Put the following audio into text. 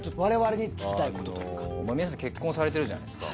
皆さん結婚されてるじゃないですか。